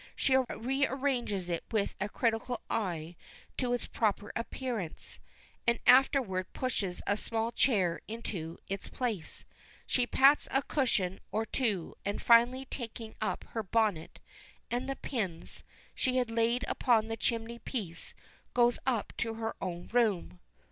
She rearranges it with a critical eye to its proper appearance, and afterward pushes a small chair into its place. She pats a cushion or two, and, finally taking up her bonnet and the pins she had laid upon the chimney piece, goes up to her own room.